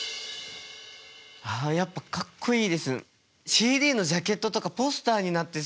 ああやっぱかっこいいです。